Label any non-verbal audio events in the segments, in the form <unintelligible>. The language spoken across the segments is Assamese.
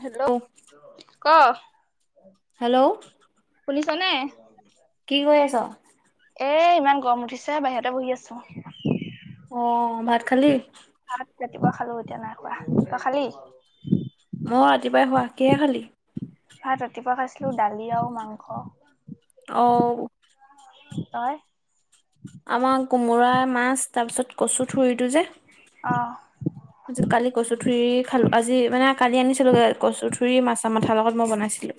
হেল্ল' ক? হেল্ল'ঊ শুনিছনে? কি কৰি আছ? এ ইমান গৰম উঠিছে, বাহিৰতে বহি আছো। অ ভাত খালি? ভাত, ৰাতিপুৱা খালো এতিয়া নাই খোৱা, তই খালি? মও ৰাতিপুৱাই খোৱো, কিহে খালী? ভাত ৰাতিপুৱা খাইছিলো দালি আৰু মাংস। অঁ তই? আমাৰ কোমোৰা, মাছ তাৰপিছত কচু থুৰিটো যে অ আজি কালি কচু থুৰি খালো, আজি মানে কালি আনিছিলোগে কচু থুৰি মাছা মাথ থা লগত মই বনাইছিলো।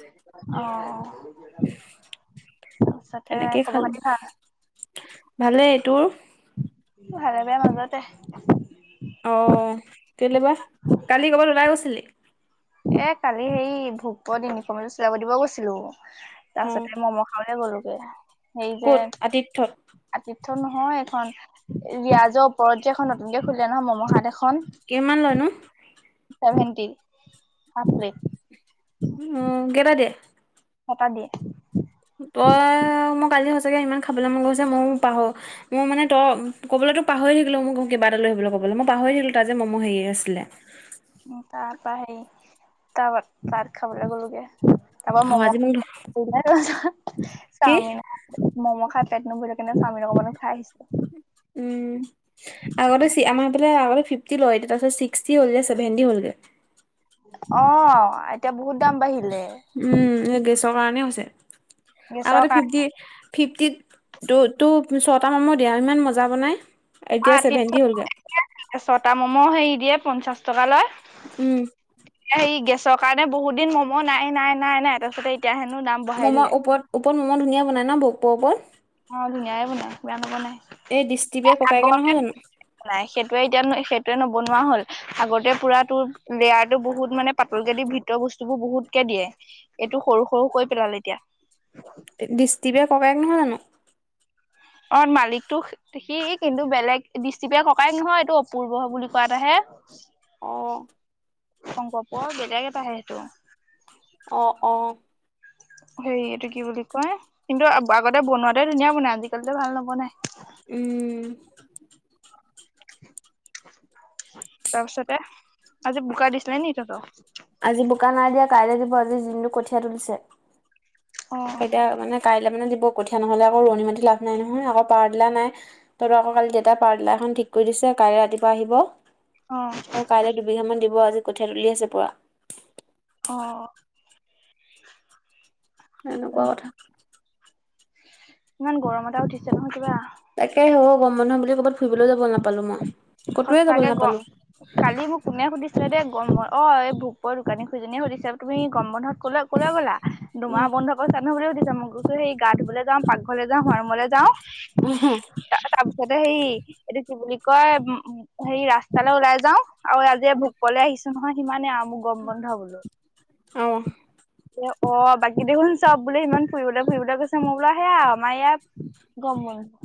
অ তাৰপিছতে খবৰ-খাতি ভাল? ভালে তোৰ? ভালে-বেয়া মাজতে। অঁ কেলৈবা, কালি ক'ৰবাত ওলাই গৈছিলি? এ কালি হেৰি ভোকত ইউনিফৰ্ম এযোৰ চিলাব দিব গৈছিলো, অ তাৰ পিছতে ম'ম খা খাবলে গলোগে এই যে ক'ত আতিথ্যত? আতিথ্য নহয় এখন, ৰিয়াজৰ ওপৰত যে এখন নতুনকে খুললেে নহয় ম'ম হাত এখন। কেইমান লয়নো? চেভেণ্টি, সাফপ্লেট। উম কেইটা দিয়ে? চটা দিয়ে। তই মোক আজি সঁচাকে ইমান খাবলৈ মন গৈছে, মইও পাহো মই মানে তই ক'বলৈ তো পাহৰি থাকিলো মোক কিবা এটা লৈ আহিবলৈ ক'বলৈ, মই পাহৰি থাকিলো তা যে মোৰ হেৰি আছিলে। উ তাৰ পৰা সেই তাৰপ তাত খাবলৈ গ'লোগে। তাৰপা অ মম' আজি মোক কি চাওমিন ম'ম' খাই পেট নভৰিলে কানে স্বামীন অকণমানো খাই আহিছিলো। উম আগতে চি আমাৰ আগতে ফিফটি লৈ, তাৰপিত ছিক্সি হলগে, এতিয়া চেভেন্টি হলগে। অ এতিয়া বহুত দাম বাঢ়িলে। উম এই গেছৰ কাৰণেই হৈছে। গেছৰ আগতে কাৰণে ফিফটি ফিপটিত টু ছ'টা মামৰ দিয়া আৰু ইমান মজা বনাই, এতিয়া ৰাতিত ছেভেণ্টি হ'লগে। ছটা ম'ম' হেৰি দিয়ে পঞ্চাশ টকা লয়। উম। এই গেছৰ কাৰণে বহুত দিন মম' নাই, নাই, নাই, নাই তাৰ পিছতে এতিয়া হেনো দাম বঢ়াই ম'মৰ দিলে ওপৰত, ওপৰত মম' ধুনীয়া বনাই ন ভোক পৰ ওপৰত? অ ধুনীয়াই বনাই, বেয়া নবনাই। এই দৃষ্টিবে ককাইকে আগতে নহয় জানো? নাই সেইটোৱে এতিয়া নো সেইটোৱে নবনোৱা হ'ল। আগতে পুৰা তোৰ লেয়াৰতো বহুত মানে পাতলকেদি ভিতৰ বস্তুবোৰ বহুতকে দিয়ে। এইটো সৰু সৰু কৈ পেলালে এতিয়া। তে দৃষ্টিকে ককাই নহয় জানো? অ মালিকটো সি কিন্তু বেলেগ দৃষ্টিপৰে ককাই নহয় এইটো অপূৰ্ব বুলি কোৱা এটাহে। অ। শংকৰ্প বেলেগে পা সেইটো। অ অ। হেৰি এইটো কি বুলি কয় কিন্তু আগ আগতে বনোৱাতে ধুনীয়া বনাই আজিকালিতো ভাল নবনাই। উম। উম। তাৰপিছতে আজি বোকা দিছিলে নি তহতৰ? আজি বোকা নাই দিয়া কাইলৈ দিব, আজি দিনটো কঠীয়া তুলিছে। অ। কেতিয়া মানে কাইলৈ মানে দিব কঠীয়া নহলে আক ৰোৱনী মাটি লাভ নাই নহয় আকৌ পাৱাৰ টিলা নাই। তহত আকৌ কালি দেউতাই পাৱাৰ টিলাখন ঠিক কৰি দিছে, কাইলৈ ৰাতিপুৱা আহিব। অ। অ কাইলৈ দুবিঘা মান দিব আজি কঠিয়া তুলি আছে পোৰা। অ। এনেকুৱা কথা। ইমান গৰম এটা উঠিছে নহয় কিবা? তাকে হ'ব গৰম বন্ধ বুলি ক'ৰবাত ফুৰিবলৈ যাব নাপালো মই? ক'তোৱে যাবলৈ সস্তাকে গৰ নাপালো কালি মোক কোনে সুধিছিলে দে গৰম ব অ এই ভোকপৰ দোকানী খুড়ীজনীয়ে সুধিছা তুমি গৰম বন্ধত কলৈ কলৈ গ'লা উম, দুমাহ বন্ধকৰ চ চুনো বুলিয়ে সুধিছে মোক গোছিলি গা ধুবলৈ যাওঁ, পাকঘৰলৈ যাওঁ, শুৱা ৰোমলে যাওঁ উম হু। তা তাৰ পিছতে হেৰি এইটো কি বুলি কয় উম হেৰি ৰাস্তালৈ ওলাই যাওঁ। আৰু আজি ভোক পোৱলে আহিছো নহয় সিমানেই আৰু মোৰ গৰম বন্ধ বুলি। অহ। এ অ বাকী দেখোন চব বোলে ইমান ফুৰিবলৈ ফুৰিবলৈ গৈছে মই বোলা সেয়া আমাৰ ইয়াত গমল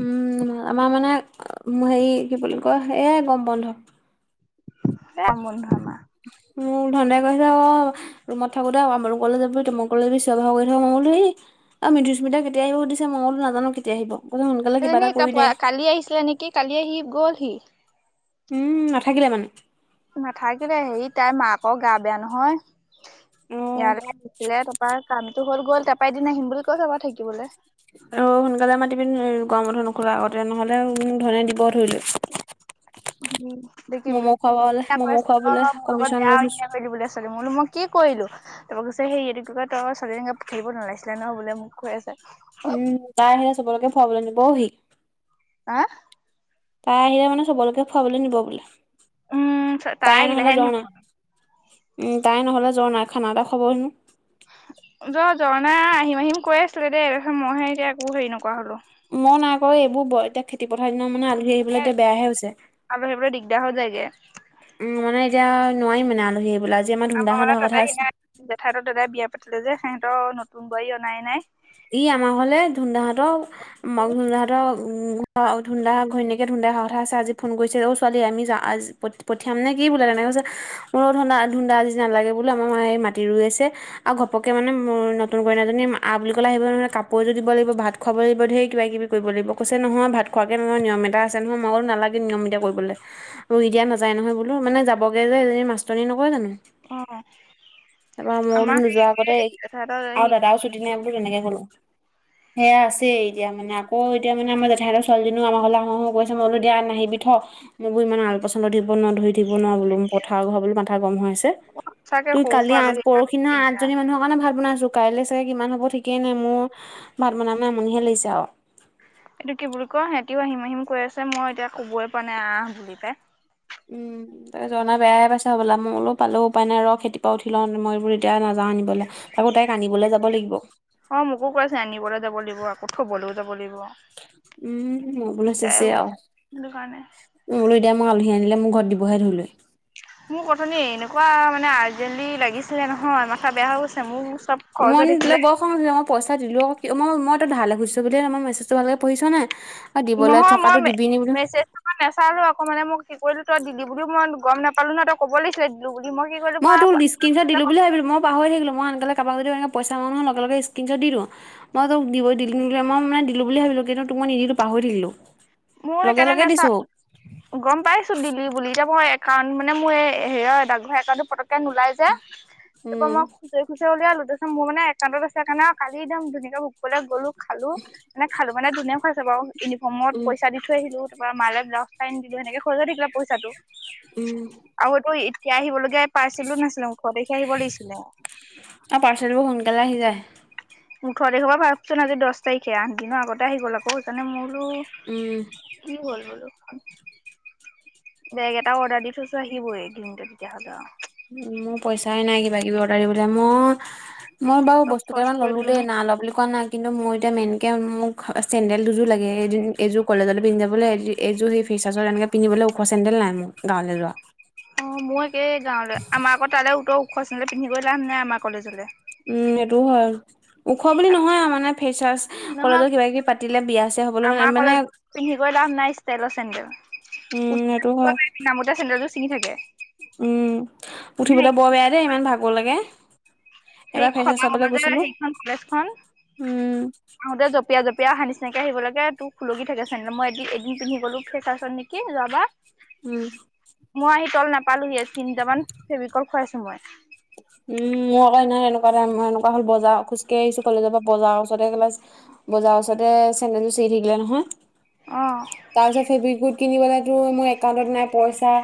উম আমাৰ মানে অম হেৰি কি বুলি কয় এয়ে গৰম বন্ধ। এয়া গৰম বন্ধ আমাৰ। মোৰ ধন দাই কৈছে ক ৰুমত থাকো দে আমাৰো কলে যাব তোম কলে চা ভা কৰি থাক মই বুলো এই অ মিধুস্মিতা কেতিয়া আহিব সুধিছে মই বুলো নাজানো কেতিয়া আহিব? কৈছে সোনকালে কিবা এটা এজনী তই কৰি কোৱা দে কালি আহিছিলে নেকি কালি আহি গ'লহি। উম নাথাকিলে মানে। নাথাকিলে হেৰি তাইৰ মাকৰ গা বেয়া নহয়, অ ইয়ালে আহিছিলে তাৰ কামটো হ'ল গ'ল তাৰপা এদিন আহিম বুলি কৈ থৈ গ'ল থাকিবলে। অ সোনকালে মাতিবিন, এই গৰম বন্ধ নুখোলা আগতে নহলে উম ধনে দিব ধৰি লৈ। এতিয়া কি বুলি ম'ম' খুৱাবলে এতিয়া ম'ম' কৈছো খুৱাবলে অ মোৰ লগত কমিশন বেয়া লৈ থৈছো অন্যায় কৰিলি বুলে ছোৱালী বুলো মই কি কৰিলোঁ, তপৰা কৈছে সেই ইটোকে তই ছোৱালীজনীক খেলিব নালাগিছিলে ন বোলে মোক কৈ আছে। উম তাই আহিলে চবলৈকে ফুৰাবলৈ নিব হি আহ! তাই আহিলে মানে সবলৈকে ফুৰাবলে নিব বোলে, উম তাই আহিলেহে নহলে নিব যোৱা নাই? তাই নহ'লে জ্বৰ নাই খানা এটা খোৱাহেনো। জ জ্বৰ নাই আহিম আহিম কৈ আছিলে দেই মইহে এতিয়া একো হেৰি নকৰা হলো। মই নাই কৰো এইবোৰ ব এতিয়া খেতি - পথাৰ দিনৰ মানে আলহী আহিবলৈ এতিয়া বেয়াহে হৈছে। আগবাঢ়িব দিগদাৰ হৈ যায়গে। উম মানে এতিয়া নোৱাৰি মানে আলহী আহিবলে আজি আমাৰ ধুন দাহত অহা কথা আছ জেঠাইহতৰ দাদাই বিয়া পাতিলে যে সিহঁতৰ নতুন বোৱাৰী অনাই নাই। ই আমাৰ ঘৰলে ধুনদাহঁতৰ মই ধুনদাহঁতৰ ধুন দা ঘৈণীয়েকে ধুন দাই অহা কথা আছে। আজি ফোন কৰিছে অ ছোৱালী আমি যাওঁ আজ পঠিয়াম নে কি বোলে তেনেকে কৈছে। মই বোলো ধুন দা ধুন দা আজি নালাগে বোলো আমাৰ মাই এই মাটি ৰুই আছে আৰু ঘপকে মানে মোৰ নতুন কইনা জনী আ বুলি ক বলে আহিব নহয় কাপোৰ এজোৰ দিব লাগিব, ভাত খুৱাব লাগিব, ধেৰ কিবা কিবি কৰিব লাগিব। কৈছে নহয় ভাত খোৱাকে কে নহয় নিয়ম এটা আছে নহয়। মই বুলো নালাগে নিয়ম এতিয়া কৰিবলে। ৰুই দিয়া নাযায় নহয় বোলো। মানে যাবগে যে এজনী মাষ্টৰনী নহয় জানো। অ তাৰপৰা মই বোলো আমাৰ নোযোৱা আগতে সেই তেখেতৰ আৰু সি দাদাও ছুটি নাই। তেনেকে কলো। সেয়া আছে এতিয়া মানে আকৌ এতিয়া মানে আমাৰ জেঠাই হঁতৰ ছোৱালজনী আমাৰ ঘৰলে আহোঁ আহোঁ কৈছে। মই বোলো এতিয়া নাহিবি থ, মই বোৰ ইমান আল পচন ধৰিব নোৱাৰো ধৰি থাকিব নোৱাৰো বোলো পথাৰ ঘৰ বোলো মাথা গৰম হৈ আছে। সঁচাকে তোৰ‌ সৰু কালি সুৰা আঠ আলহী বিলাক পৰখিদিনা দিগদাৰ আঠজনী মানুহক মান মানে ভাত বনাইছো। কাইলৈ চাগে কিমান হ'ব ঠিকেই নাই মোৰ ভাত বনাই বনাই আমনিহে লাগিছে আও। এইটো কি বুলি কয়, সিহঁতিও আহিম আহিম কৈ আছে মই এতিয়া ক'বই পৰা নাই আহ বুলি পাই। উম। যোৱা নাই বেয়া পাইছে হবলা। মই বোলো পালেও উপাই নাই ৰ, খেতি পৰা উঠি লওঁ মই এইবোৰ এতিয়া নাজাওঁ আনিবলে। আকৌ তাইক আনিবলৈ যাব লাগিব। অ মোকো কৈছে আনিবলৈ যাব লাগিব আকৌ থ'বলৈও যাব লাগিব। উম মই বোলো দিগদাৰে চেছে আৰু। হৈছে সেইটো কাৰণে মই বোলো এতিয়া মই আলহী আনিলে, মোক ঘৰত দিবহে ধৰি লৈ। মোক অথনি এনেকুৱা মানে আৰ্জেন্টলি লাগিছিলে নহয় মাথা বেয়া হৈ গৈছে মোৰ। চব খৰচ হৈ মনটোলে থাকিলে বৰ খং উঠিলে মোৰ পইচা দিলো অ' ক মই মই তো ধাৰলে খুজিছো বুলিয়েই, মই মেছেজটো ভালকে পঢ়ি চোৱা নাই। দিবলৈ নহয় থকাতো দিবি নি বোলো মই নাচালো আক। মানে মোক কি কৰিলো তই দিবি বুলিও মই গম নাপালো নহ, তই কব লাগছিলে। দিলোঁ বুলি মই কি কৰিলো মই তোক স্ক্ৰীণচত দিলো বুলি ভাবিলো মই পাহৰি থাকিলো মই আনকালে কাবাক যদি এনেকে পইচা মাৰো নহয় লগে লগে স্ক্ৰীণচট দি দিওঁ। মই তোক দিব দিলো মই মানে দিলো বুলি ভাবিলো, কিন্তু তোক মই নিদিলো পাহৰি থাকিলো। মোৰ লগে সেইকাৰনেই লগে দিছো নেচাং গম পাইছো দিলি বুলি এতিয়া মই একাউণ্ট মানে মোৰ এই হেৰি ডাকঘৰ একাউণ্টটো পতককে নোলাই যে। যে তাৰ পৰা উম মই খুচৰি খুচৰি উলিয়াইলো। তাৰ পিছত মোৰ মানে একাউণ্টত আছে কাৰণে আৰু কালি একদম ধুনীয়াকে অকলে গলো খালো, মানে খালো। মানে ধুনীয়া খুৱাইছে বাৰু। ইউনিফৰ্মত উম পইচা দি থ আহিলো তাৰ পৰা মালে ব্লাউচ এটা আনি দিলো। সেনেকে খৰচ হৈ থাকিলে পইচাটো। উম। আৰু এইটো এতিয়া আহিবলগীয়া পাৰ্চেলো নাছিলে ওঠৰ তাৰিখে আহিব লাগছিলে। অ পাৰ্চেলবোৰ সোনকালে আহি যায়। ওঠৰ তাৰিখৰ পৰা ভাবচোন আজি দচ তাৰিখহে। আঠ দিনৰ আগতে আহি গ'ল আকৌ সেইকাৰণে মই উম বোলো কি হ'ল ল বোলো বেগ এটা অৰ্ডাৰ দি থৈছো, আহিবই দিনতো তেতিয়া হ'লে আও। মোৰ পইচাই নাই কিবা কিবি অৰ্ডাৰ দিবলৈ। মোৰ মই বাৰু চব বস্তু খৰচ কেইটামান কৰি ললো দিলো নহয় দেই। নাই লোৱা বুলি কোৱা নাই। কিন্তু মোৰ এতিয়া মেইনকে মোক চেণ্ডেল দুযোৰ লাগে, এদিন এযোৰ কলেজলৈ পিন্ধি যাবলে, এয এযোৰ সেই ফেচাছত এনেকে পিন্ধিবলৈ ওখ চেন্দেল নাই মোৰ গাৱলৈ যোৱা। অ মই একেই গাঁৱলৈ, আমাৰ আকৌ তালে উত্তৰ ওখ চেন্দেল পিন্ধি গৈ লাভ নাই আমাৰ কলেজলে উম এইটোও হয়। ওখ বুলি নহয় আৰু মানে ফেছৱাছ, নহয় কলেজত কিবা কিবি পাতিলে বিয়া ছিয়া হ'বলৈ মানে মানে পিন্ধিকৈ লাভ নাই ষ্টাইলৰ চেন্দেল। উম সেইটো উঠিব হয় পাৰিবি, নামোতে চেন্দেলযোৰ চিঙি থাকে। উম উঠিবলে বৰ বেয়া দেই ইমান ভাগৰ লাগে সেই এবাৰ ফেছৱাছ খলা চাবলে মাজে গৈছিলো সেইখন উম আহোঁতে জঁপিয়াই জঁপিয়াই অহা নিচিনাকে আহিব লাগে তোক খুলগি থাকে চেন্দেল মই একদিন এদিন পিন্ধ গলো ফেছৱাছ নি কি যোৱা বাৰ উম মই আহি তল নাপালো সিয়েই তিনিটামান ফেবিকল খোৱাছো মই উম মোৰ আক সেইদিনাখনি এনেকুৱা এটা মই এনেকুৱা হ'ল বজা খোজকাঢ়ি আহিছো কলেজৰ পৰা, বজাৰ ওচৰ কলেজ বজাৰ ওচতে চেণ্ডেলযোৰ চিগি থাকিলে নহয়, অ তাৰপিছত ফেব্ৰিকোইট কিনিবলেতো মোৰ একাউণ্টত নাই পইচা।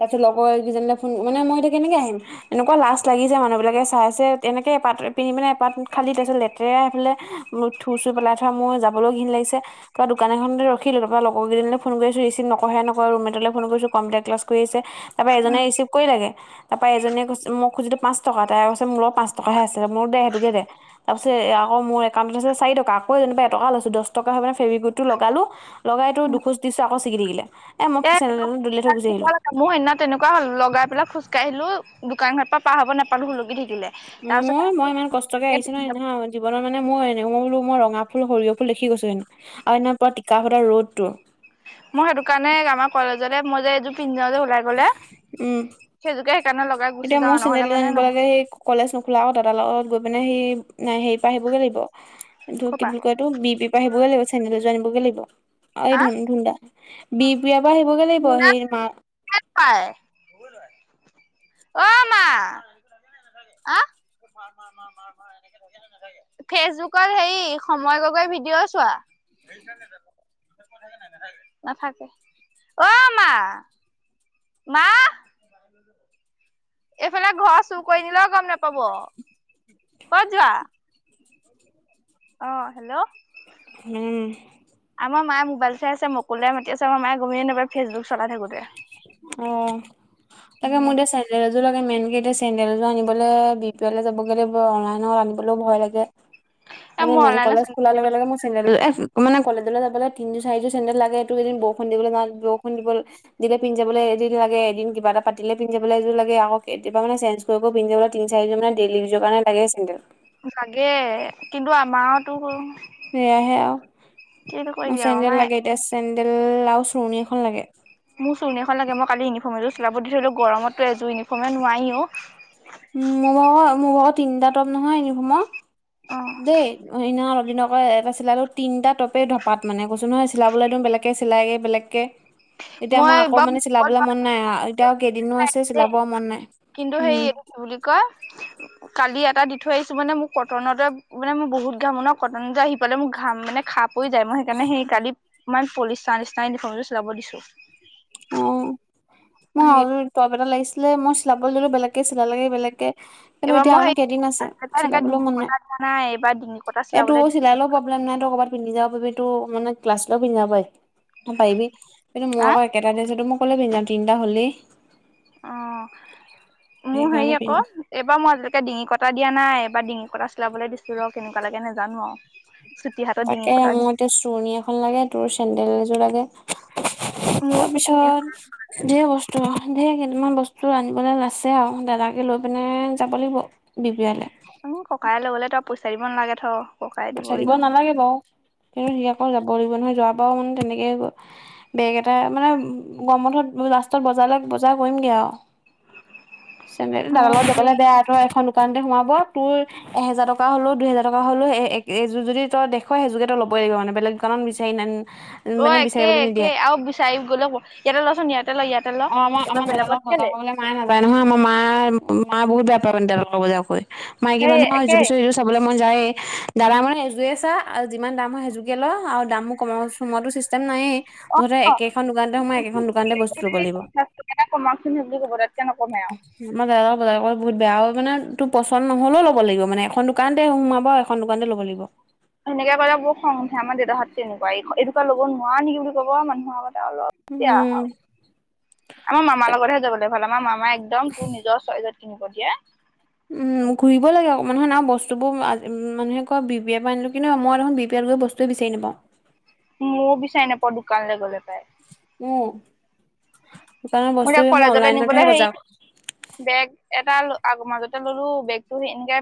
তাৰ পাছত লগৰ এই কেজনীলে ফোন মানে মই এতিয়া কেনেকে আহিম, এনেকুৱা লাষ্ট লাগিছে মানুহ বিলাকে চাইছে, এনেকে এপাত পিন্ধি পিনে এপাত খালি, তাৰপিছত লেতেৰা এফালে, মোৰ থুৰ চুৰ পেলাই থোৱা মোৰ যাবলৈও ঘিন লাগিছে, কাবা দোকান এখনতে ৰখি দিলো তাৰপৰা লগৰ কেইজনীলে ফোন কৰিছো ৰিচিভ নকহে নকয়, ৰুমমেটলে ফোন কৰিছো কম্পিউটাৰ ক্লাছ কৰি আছে, তাৰপৰা এজনে উম ৰিচিভ কৰিলেগে, তাৰপৰা এজনীয়ে কৈছে মই খুজিলো। পাঁচ টকা, তাই কৈছে মোৰ লগত পাঁচ টকাহে আছে মোৰ দে সেইটোকে দে, তাৰ পিছতে এয়া আকৌ মোৰ একাউণ্টত আছে চাৰিটকা, আকৌ যেনিবা এটকা লৈছো দহ টকা হৈ মানে ফেব্ৰিকোইকটো লগালো, লগাইতো দুখোজ দিছো আকৌ চিগি থাকিলে, মই এ চেণ্ডেল তেণ্ডেল দলিয়াই থৈ গুচি আহিলো। মোৰ সেইদিনা তেনেকুৱা হল লগাই পেলাই খোজকাঢ়িলো দোকান ঘৰ পৰা পাৰ হব নাপালো হলুকি থাকিলে। তাৰপিছত মোৰ মই ইমান কষ্টকে আহিছো ন নহয় সেইদিনাখন জীৱনৰ মানে মই এনে মই বোলো মই ৰঙা ফুল সৰিয়হ ফুল দেখি গৈছো সেইদিনা আৰু সেইদিনাখন টিকা ফটা ৰ'দটো। মই সেইটো কাৰণে আমাৰ কলেজতে মই যে এইযোৰ পিন্ধ যাওঁ যে ওলাই গলে, উম সেইযোকে সেইকাৰণে লগ এতিয়া মোৰ চেণ্ডেলযোৰ আনিব লাগে সেই, কলেজ নোখোলা আগত দাদাৰ লগত গৈ পিনে সেই হেৰি পৰা আহিবগৈ লাগিব, কিন্তু কি ক'পা বুলি কয় টো বি পি আহিবগে লাগিব, চেন্দেল এযোৰ আনিবগে লাগিব আৰু এই আহ ধুন ধুন্দা। বি পুৰিয়াৰ পৰা আহিবগে লাগিব মোনা সেই মা - <unintelligible> অ মাহ, আহ <unintelligible> ফেচবুকত হেই সময় গগৈ ভিডিঅ' চোৱা। নাথাকে অ মা, মা, এইফালে ঘৰ চুৰ কৰি নিলেও গম নাপাব, কত যোৱা? <unintelligible> অ হেল্ল', উম। আমাৰ মাই মোবাইল চাই আছে মুকলডাই মাতি আছে, আমাৰ মাইয়ে গমেই নাপাই ফেচবুক চলাই থাকোতে। অ, তাকে মো এতিয়া ছেন - চেণ্ডেল এযোৰ লাগে মেইনক এতিয়া চেডেলযোৰ আনিব বি পি এলে যাব গলে অনলাইনত আনিবলেও ভয় লাগে। এ মানে মই মে অনলাইনত কলেজ খোলা লগে লগে মো চেণ্ডেল এহ মানে কলেজলৈ যাবলৈ তিনি যোৰ চাৰি যোৰ চেণ্ডেল লাগে এইটো এদিন বৰষুণ দিব যাওতে বৰষুণ দিবল দিনে <unintelligible> পিন্ধিজাবলৈ এদিন লাগে, এদিন কিবা এটা পাতিলে পিন্ধি যাবলে এযোৰ লাগে আকৌ কেতিয়াবা মানে চেঞ্জো কৰি কৰি পিন্ধিজাবলে। তিনি চাৰিজন মান ডেইলিইউজৰ কাৰণে লাগে চেণ্ডেল লাগে কিন্তু আমাৰতো, সেয়াহে কিনো আৰু মোৰ কৰিবি আৰু চেণ্ডেল আমাৰ লাগে এতিয়া, চেণ্ডেল আৰু চোৰণি এখন লাগে। মোৰ চুৰনি এখন লাগে মই কালি ইউনিফৰ্ম এযোৰ চিলাব দি থৈ আহিলোঁ গৰমতো এযোৰ ইউনিফৰ্মে নোৱাৰি অ। উম, মোৰ ভাগ মোৰ ভাগ তিনিটা টপ নহয় ইউনিফৰ্মৰ অ দেই। এদিনাখন এদিন আকৌ এটা চিলালেও তিনিটা টপেই ধপাত মানে কৈছোঁ নহয় চিলাবলৈ দোম বেলেগৈ চিলাই বেলেগকে। <unintelligible> এতিয়া মই আকৌ মানে চিলাবলে মন নাই আ এতিয়া কেইদিনো আছে চিলাব মন নাই। উম এ বুলি কয়। কালি এটা দি থৈ আহিছো মানে মোৰ কটনতে মানে মোৰ বহুত ঘামো ন কটন যে আহি পালে মোক ঘাম মানে খাপ পৰি যায়, মই সেইকাৰণে সেই কালি অলমান পলিষ্টাৰ নিচিনা ইউনিফৰ্ম এযোৰ চলাব দিছো। অ, মই সেই আৰু এযো টপ এটা লাগিছিলে মই চিলাবলে দিলো বেলেগকে চিলালেগে বেলেগকে। কিন্তু এইবাৰ এতিয়া মই আৰুনো কেইদিন আছে, এইবাৰ এনেকে চিলাবলৈও ডিঙি মন নাই কটা দিয়া এইবাৰ ডিঙি কটা এ চিলাবলৈ তোৰ দিছো চিলাই ল প- কেনেকুৱা হলেমানে তই ক'বাত পিন্ধি যাব পাৰি তো মানে ক্লাছলৌ পিন্ধি যাব পাৰি পাৰিবি কিন্তু মো হা আকৌ, এক এটা ড্ৰেছতে মই ক'লে পিন্ধি যাম তিনটা হ'লেই। অঁ, মোৰ হেৰি সেইকাৰণে আক পিন্ধি - এইবাৰ মই আজিলৈকে ডিঙি কটা দিয়া নাই। এইবাৰ ডিঙি কটা চিলাবলৈ দিছো ৰ কেনেকুৱা লাগে নাজানো আও তাকে মোৰ এতিয়া চুৰণি এখন লাগে। তোৰ চেন্দেল এযোৰ লাগে। মোৰ, চু অহ। ধেৰ বস্তু, ধেৰ কেইটামান বস্তু আনিবলৈ আছে আও দাদাকে লৈ পিনে যাব লাগিব। বিহপুৰীয়ালে উ ককায়ে লৈ গলে তই পইচা দিব নালাগে থ। ককাই পইচা দিব এনেও নালাগে বাও। কিন্তু সি আকৌ যাব লাগিব নহয় যোৱাৰ বাৰও নু তেনেকে গল। বেগ এটা মানে, গৰম বন্ধত লাষ্টত বজাৰলৈ বজাৰ কৰিমগে আও চেন্দেল দাদা মোৰ লগত যাবলে হেৰি বেয়া তোৰ এখন দোকানতে সোমাব তোৰ। এহেজাৰ টকা হলেও, দুহেজাৰ টকা হলেও এ এ এইযোৰ যদি তই দেখ সেযোকে তই লবই লাগিব মানে বেলেগ কাৰণ বিচাৰি নান অ' একে একে, আৰু বিচাৰি গ'লেও কয় ইয়াতে ল'চোন ইয়াতে লয় ইয়াতে। ল অ' আমা তহঁতৰ আমাৰ দাদা বেলেগত লগত বজাৰ কেলে কৰিবলে মায়ে নাযায় নহয়। আমাৰ মায়ে, মা বহুত বেয়া পায় মানে দাদাৰ লগত বজাৰ কৰি মাইকী সেই মানুহৰ যি একেই বস্তু ইউজ চাবলে মন যাইয়ে দাদা মানে এযোৰে চা আৰু যিমান দাম হয় সেযোকে ল আৰু দামও কমাব কমোৱাটো চিষ্টে চান নাইয়েই মুঠতে একেখন দোকানতে সোমাই একেখন দোকানতে ব এ পঞ্চাশ টকা এটা কমাওচোন সেই বুলি ক'ব তাতকে নকমে আৰু। আমাৰ দাদা লগত বজাৰ কৰিবলে বহুত বেয়া অ মানে তোৰ পচন্দ নহ'লেও ল'ব লাগিব মানে এখন দোকানতে সোমাব। এখন দোকানতে ল'ব লাগিব। সেনেকে কলে বহুত খং উঠে। আমাৰ দেউতাহঁতো তেনেকুৱা এ এটোপা ল'ব নোৱাৰা নিকি বুলি কব মানুহ আগততে আও ল কিয় উম হয় আমাৰ মামা লগতহে যাবলে ভাল, আমাৰ মামা একদম তোৰ নিজৰ চইজত কিনিব দিয়ে উম, ঘূই-ব লাগে অকমান হয় নাই আও বস্তুবোৰ আজ মানুহে কয় বিহপিয়া পা আনিলো কিন্তু মই দেখোন বিহপিয়াত গৈ বস্তু তো বিচাৰি নাপাওঁ। ময়ো বিচাৰি নেপাওঁ দোকানলে গ'লে পাই। উম, সেইকাৰণে এতিয়া বস্তুখিনি মই কলেজলৈ নিবলৈ অনলাইনতহে হেৰি বজা বেগ এটা ল আগ মাজতে ললো বেগতো এনেকে